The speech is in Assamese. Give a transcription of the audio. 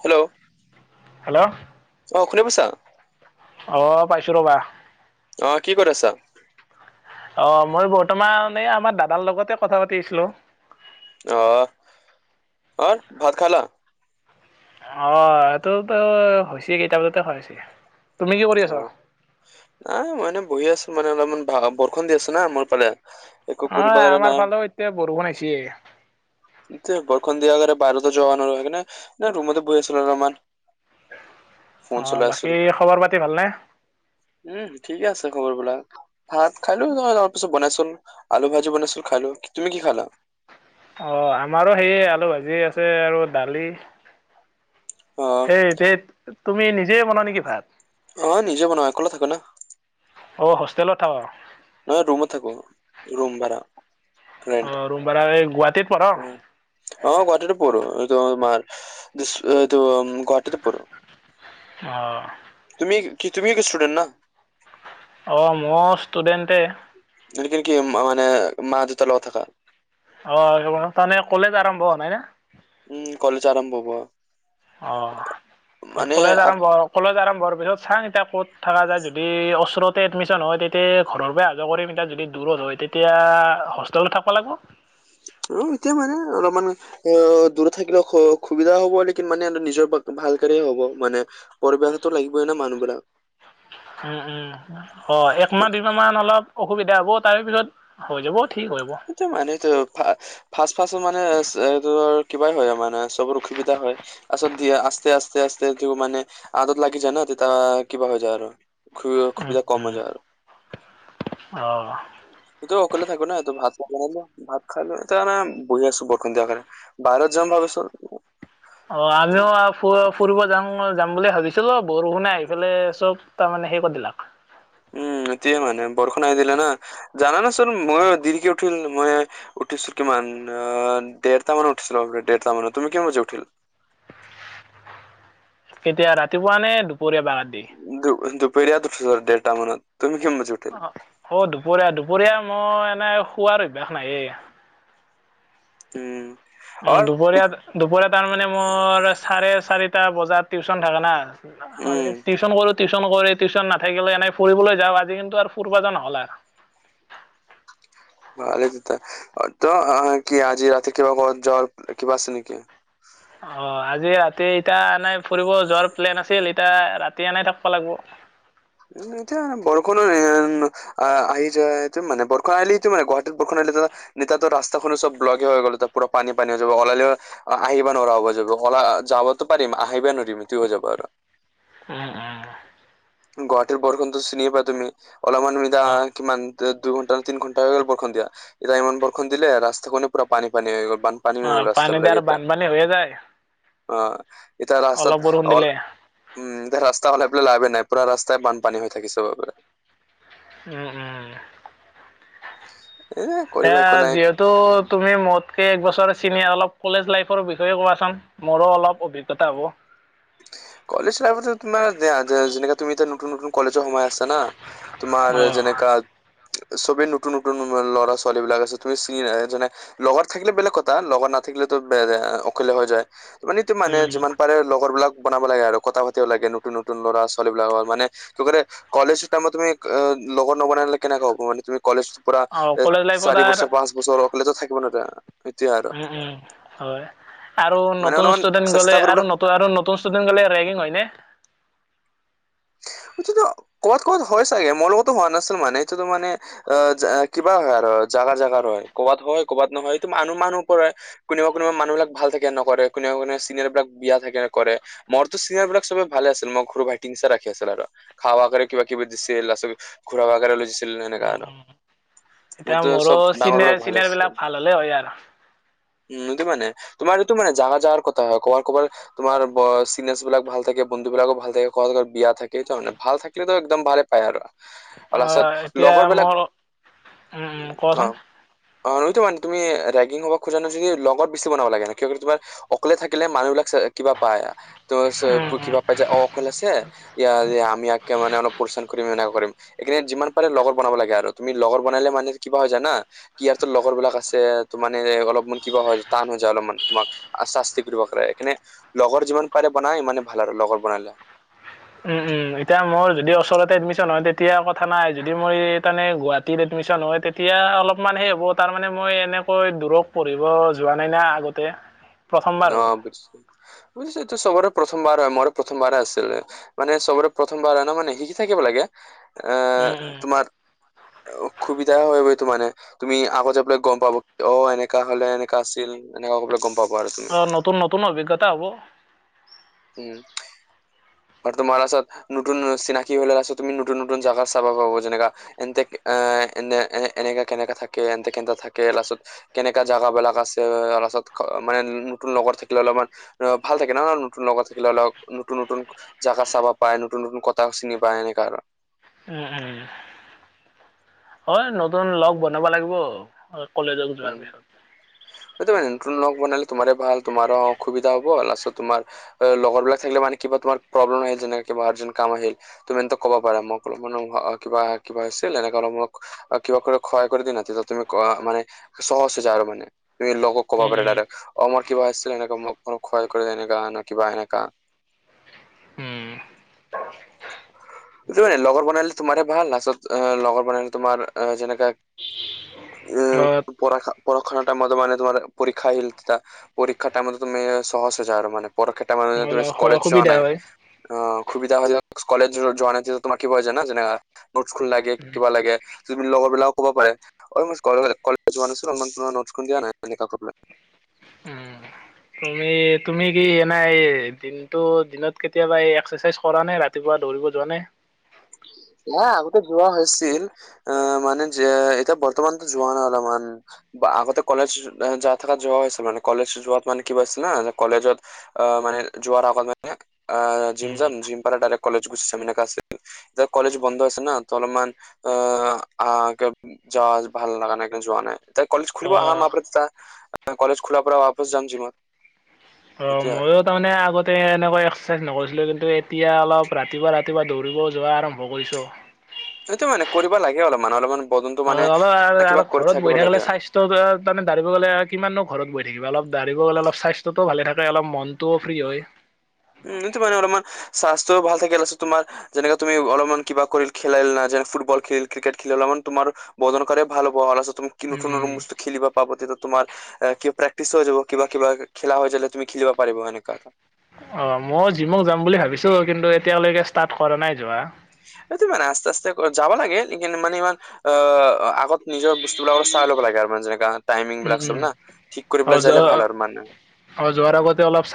হেল্ল'। হেল্ল'। অ', শুনি পাইছা। অ', পাইছোঁ ৰ'বা অ', কি ক'ত আছা। অ', মই বৰ্তমানে আমাৰ দাদাৰ লগতে কথা পাতি আছিলোঁ। অ অত ভাত খালা? অ এইটোতো হৈছে কেইটা বজাতে খাৱা হৈছে তুমি কি কৰি আছ? অ নাই। মই এনে বহি আছো মানে অলপমান ভা বৰষণ দি আছে না মোৰ ফালে একো অ কৰিব আমাৰ ফালেও এতিয়া বৰষুণ আইছে [unintelligible] ইটোৱে বৰষন দিয়াকাৰে বাইৰতো জোৱা নোৱাৰো সেকাণে ৰুমতে বহ আছো লমান অ', বাকী খবৰ পাতি ভালনে উম ঠিকে আছে খবৰ বোলাক ভাত খালো তাৰ পিছত বনাইচোন আলু ভাজি বনাইছিলো খালো তুমি কি খালা অ আমাৰো সেইয়ে আলু ভাজি আছে আৰু দালি। অ দে এতে তুমি নিজেই বনা নেকি ভাত অ নিজে বনোৱা একলে থাকো না অ হোষ্টেলত থাক নহ ৰুমত থাকো ৰুম ভাৰা ৰেন্ট অঁ ৰুম ভাড়া এই গুৱাহাটীত পঢ় অ অ গুৱাহাটীতে পৰো এটো মাৰ দিছ এইটো গুৱাহাটীতে পঢ়ো অঁ তুমি কি তুমিও ষ্টুডেণ্ট না অ', মোঅ ষ্টুডেণ্টে [unintelligible] মানে মা দেতা লগত থাকা অ তনে কলেজ আৰম্ভ হৱা নাই না উম কলেজ আৰম্ভ হ'ব আৰ অ সক কলেজ আপ- আৰম্ভ হক কলেজ আৰম্ভৰ পিছত চাং এতিয়া ক'ত থাকা যায় যদি অচৰতে এডমিশ্যন হয় তেতিয়ে ঘৰৰ পৰা অহা যোৱা কৰিম এতিয়া যদি দূৰত হয় তেতিয়া হোষ্টেলত থাকবা লাগব অ এতিয়া মানে অলমান অ দূৰত থাকিলেও স সুবিধা হ'ব নেকি মানে নিজৰ পক ভালকাৰে হ'ব মানে পৰিৱেশতো লাগিবই না মানুহবিলাক। হা হা অ' একমাহ দুইমাহ মান অলপ অসুবিধা হ'ব, তাৰে পিছত হৈ যাব ঠিক হৈ যাব! টো মানেটো ফা ফাচ ফাচও মানে এইটো কিবাই হয় মানে চবৰ অসুবিধা হয়! আচত দিয়া আস্তে আস্তে আস্তে দিও মানে আদত লাগি যায় ন তিতা কিবা হৈ যায় আৰু অসু- অসুবিধা কম হৈ যায় আৰু। উম, উম অ' এতিও অকলে থাকো না ত ভাত বনালো ভাত খালো এতিয়া মানে বহি আছো বৰষুণ দিয়াৰ কাৰণে বাহিৰত যাম ভাবিছো অ আমিও ফু ফুৰিব যাম যাম বুলি ভাবিছিলো বৰষুণে আহি পেলে চব ত মানে হেই কৰি দিলাক উম, এতিয়া মানে বৰষুণ আহি দিলে না জানানা চোন মই দেৰিকে উঠোং মই উঠিছো কিমান দেৰটা মানত উঠিছিলো দেৰটা মানত তুমি কিমান বজাত উঠিলা কেতিয়া ৰাতিপুৱা নে দুপৰীয়া বা ৰাতি দু দুপৰীয়া উটো ঢেৰটা মানত তুমি কিম বজাত অ অ দুপৰীয়া দুপৰীয়া মই এনে শোৱাৰ অভ্যাস নাইয়ে উম উম দুপৰীয়া- দুপৰীয়া তাৰমানে মোৰ চাৰে চাৰিটা বজাত টিউচন থাকে না উম হয় টিউচন কৰো টিউচন কৰি টিউচন নাথাকিলে এনে ফুৰিবলৈ যাওঁ আজি কিন্তু আৰু ফুৰ্বা যোৱা নহ'লে। ভালেই [unintelligible] কি আজি ৰাতি কিবা ক'ৰবাত যোৱাৰ কিবা আছে নেকি? অ', আজি ৰাতি এতিয়া এনেই ফুৰিব যোৱাৰ প্লেন আছিল, এতিয়া ৰাতি আনেই থাকিব লাগিব। উম, এতিয়া বৰষুণো এয়া অ', আহি যায় মানে বৰষুণ আহিলেটো মানে গুৱাহাটীত বৰষুণ আহিলেটো নিতাতো ৰাস্তাখনো চব ব্লকে হৈ গ'ল তাত পুৰা পানী পানী হৈ যাব। ওলালেও অ', আহিবা নোৱাৰা হ'ব যাব অলা যাবতো পাৰিম আহিবা নোৱাৰিম হেতু হৈ যাব আৰু। উম, উম। গুৱাহাটীৰ বৰষুণতো চিনি পোৱা তুমি অলপমান অ', [unintelligible] কিমান দে দুঘন্টা তিনি ঘন্টা হৈ গ'ল বৰষুণ দিয়া এতিয়া ইমান বৰষুণ দিলে ৰাস্তা কেনে পুৰা পানী পানী হৈ গ'ল বান পানী হৈ অ', গ'ল দি ৰাস্তাবিলাক আৰু এতিয়া বানপানী হৈয়ে যায়। অ'। এতিয়া অলপ ৰাস্তাত বৰষুণ অল দিলে উম, এতিয়া ৰাস্তা হ'লে এফালে লাভেই নাই পুৰা ৰাস্তাই বানপানী হৈ থাকিছে গে বোলে। উম, উম। এ কৰিব এয়া একো যিহেতু নাই তুমি মোত সেই এক বছৰখিনিয়ে অলপ কলেজ লাইফৰ বিষয়ে কোৱাচোন মোৰো অলপ অভিজ্ঞতা হ'ব। কলেজ লাইফতে তোমাৰ যেনেকা তুমি নতুন নতুন কলেজৰ সময় আছে না তোমাৰ অ', যেনেকা চবেই নতুন নতুন ল'ৰা ছোৱালীবিলাক আছে তুমি চিন এ যেনে লগত থাকিলে বেলেগ কথা লগত নাথাকিলেতো বে অকলে হৈ যায়! মানেটো মানে উম, যিমান পাৰে লগৰবিলাক বনাব লাগে আৰু কথা পাতিও লাগে নতুন নতুন ল'ৰা ছোৱালীবিলাকৰ মানে লগতে কলেজৰ টাইমত তুমি অ' লগৰ নবনলে কেনেকা হ'ব মানে তুমি কলেজ পুৰা অ', এ কলেজ লাইফত চাৰি বছৰ আৰ পাঁচ বছৰৰ অকলেটো থাকিব নোৱাৰা! এতিয়া আৰু উম, উম, হয় আৰু মানে নতুন অলপমান ষ্টুডেণ্ট চেষ্টা গ'লে কৰিব আৰু নতুন আৰু নতুন ষ্টুডেন্ট গ'লে ৰেগিং হয়নে? সেইটোতো ক'ৰবাত ক'বাত হয় চাগে মোৰ লগতো হোৱা নাছিল মানে এইটোতো মানে আহ কিবা হয় আৰু জাগা জাগাৰ হয় ক'ৰবাত হয় ক'ৰবাত নহয় সেইটো মানুহ মানুহ পৰা কোনোবা কোনোবা মানুহবিলাক ভাল থাকে নকৰে কোনোবা কোনোবা চিননোৰবিলাক বিয়া থাকে কৰে। মোৰতো চিনিয়াৰবিলাক চবেই ভালে আছিল মোৰ সৰু ভাইটিৰ নিচিনা ৰাখি আছিল আৰু খাৱৰ কাৰণে কিবা কিবি দিছিল আৰু ঘুৰাব ফুৰাব লৈ গৈছিল সেনেকা উম আৰু। উম। এতিয়া মোৰতো মোৰো চব চিনিয়াৰ ডাঙৰবিলেক ভাল চিনিয়াৰ বিলাক আছিল ভাল হ'লে হয় আৰু উম এইটো মানে তোমাৰ এইটো মান জাগাৰ জাগাৰ কথা হয় ক'বাত ক'বাত তোমাৰ ব চিনিয়ছবিলাক ভাল থাকে বন্ধুবিলাকো ভাল থাকে কলেজৰ বিয়াত থাকে সেই কাৰণে ভাল থাকিলেতো একদম ভালে পায় আৰু। আাৰু অ লাষ্টত এতিয়া লগৰবিলাক মোৰ উম অ'। অ', সেইতো মানে তুমি ৰেগিং হ'ব খোজা নাই যদি লগত বেছি বনাব লাগে ন কিয় তোমাৰ অকলে থাকিলে মানুহবিলাক কিবা পাই ত' চ উম উম কিবা পাই যে অ' অকল আছে। ইয়া ইয়া আমি ইয়াকে মান অলপ পৰিচান কৰিম। কৰিম এই কাৰণে যিমান পাৰে লগৰ বনাব লাগে আৰু তুমি লগৰ বনালে মানে কিবা হৈ জানা। ইহঁতৰ লগৰবিলাক আছে ত' মানে অলপমান কিবা হয় টান হৈ যায় অলপমান তোমাক। আশাস্তি কৰিব পাৰে। এই কাৰনে লগৰ যিমান পাৰে বনাই ইমানে ভাল আৰু লগৰ বনালে। উম, উম, এতিয়া মোৰ যদি ওচৰতে এডমিশ্যন হয় তেতিয়া কথা নাই যদি মোৰ তাৰমানে গুৱাহাটীত এডমিশ্যন হয় তেত তিয়া অলপমান সেই হ'ব তাৰমানে মই এনেকৈ দূৰত পঢ়িব যোৱা নাই না আগতে। প্ৰথমবাৰ হ'ব অ', বুজিছো। বুজিছো এইটো চবৰে প্ৰথমবাৰ হয়, মোৰ প্ৰথমবাৰে আছিলে, মানে চবৰে প্ৰথমবাৰ মানে শিকি থাকিব লাগে। আহ, উম উম তোমাৰ অসুবিধা হয়, বুলি তো, মানে তুমি আগত যাবলৈ গম পাব, অ, এনেকা হ'লে এনেকা আছিল এনেকে কবলে গম পাব আৰু। তুমি অ, নতুন, নতুন, অভিজ্ঞতা হ'ব। উম, আৰু তোমাৰ আছত নতন, চিনাকি হৈলে আছে তুমি নতন, নতন, জাগা চাবা পাব যেনেকা এন্তেক এ, এনে এ, এনেকা কেনেকা থাকে, এন্তে কেনে থাকে লাষ্টত। কেনেকা জাগাবিলাক আছে‌, আলাচত মানে নতুন লগৰ থাকিলে অলপমান অ, ভাল থাকে ন, নতুন লগত থাকিলে অলপ নতুন, নতুন, জাগা চাবা পায়, নতুন, নতুন কথা চিনি পায়, এনেকুৱা আৰু। উম, উম, হয় নতুন লগ বনাব লাগিব। কলেজত যোৱাৰ উম কে। [unintelligible] বনালে তোমাৰে ভাল, তোমাৰো সুবিধা হ'ব, লাষ্টত তোমাৰ অ, লগৰবিলাক থাকিলে মানে কিবা তোমাৰ প্ৰব্লেম আহিল, যেনে কিবা এ, কাম আহিল। তুমিতো কব, পাৰা মোক মানে আ, কিবা, কিবা, আছিল। এনেকে অলপ মোক কিবা কৰি সহায় কৰি দি না, তেতিয়া তুমি অ, মানে সহজে যে আৰু মানে, তুমি লগক ক'ব উম পাৰা, উম ডাইৰেক। অ, মোৰ কিবা আছিলে, এনেকা মোক [unintelligible] উম লগৰ বনালে তোমাৰে ভাল, লাচটত আহ লগৰ বনালে তোমাৰ আহ যেনেকা [inaudible] [unintelligible] পৰক্ষাটা মান তুমি অলপ কলেজ যোৱা অসুবিধা নাই, হয়। অ, সুবিধা হৈ কলেজ যোৱা নাই, তোমাৰ কি হয় জানা যেনে নোট খন লাগে, কিবা লাগে, যি লগৰবলাক ক'ব পাৰে। [unintelligible] উম, এই তুমি কি এনে এই, দিনটো দিনত কেতিয়াবা এই এক্সাৰচাইজ কৰা নে, ৰাতিপুৱা দৌৰিব যোৱা নে? এ, আগতে যোৱা হৈছিল। আহ, মানে যে এতিয়া বৰ্তমানতো যোৱা নাই অলপমান। বা আগতে কলেজ যা থাকাত যোৱা হৈছিল, মানে কলেজ যোৱাত মানে কি কৰিছিলে ন, কলেজত আহ, মানে যোৱাৰ আগত মানে আহ, জিম যাম, জিম পালে ডাইৰেক্ট কলেজ গুচি যাম, এনেকা আছিল। যে, কলেজ বন্ধ আছে না, ত, অলপমান অ, আহ যোৱা ভাল লগা নাই, কাৰণে যোৱা নাই। তাই, কলেজ অ খুলিব [inaudible] কলেজ খোলাৰ পৰা বপচ যাম জিমত। অ, সেইটোৱে আৰু সময়ত তাৰমানে আগতে এনেকুৱা এক্সাৰচাইজ নকৰিছিলোঁ, কিন্তু এতিয়া অলপ ৰাতিপুৱা, ৰাতিপুৱা দৌৰিব যোৱা আৰম্ভ কৰিছোঁ। সেইটো মানে কৰিব লাগে অলপ মান, অলপমান, বদন্তো মানে কিবা-কিবা কৰি থাকিব লাগে। ত [unintelligible] গ'লে কিমাননো ঘৰত বহি থাকিবা, অলপ দৌৰিব গ'লে অলপ স্বাস্থ্যটোও ভালে থাকে, অলপ মনটোও ফ্ৰী হয়। উম, সেইটো মানে অলপমান স্বাস্থ্যও ভাল থাকিল যেনেকে তুমি অলপমান কিবা কৰি খেলাই ল'লা, যেন ফুটবল খেলিল, ক্ৰিকেট খেলিলা, অলপমান তোমাৰ বদন কৰি ভাল হ'ব, [inaudible] কি উম নতুন উম বস্তু খেলিব। [inaudible] তোমাৰ প্ৰে্টিছ হৈ যাব। কিবা, কিবা, খেলা হৈ যালে তুমি খেলিবা পাৰিব এনেকুৱা। অ, মই জিমত, যাম বুলি ভাবিছো, কিন্তু এতিয়ালৈকে ষ্টাৰ্ট কৰা নাই যোৱা। এইটো মে আস্তে, আস্তে, যাবা লাগে, এইকিনে মান ইমান অ, আগত নিজৰ বস্তুবিলাক আত, চাই, ল'ব লাগে আৰু মানে যেনেকা উম টাইমিংবিলাক চব উম না ঠিক কৰিব অ যাইলে যোৱা ভাল আৰু মানে। অ' যোৱাৰ আগতে অলপ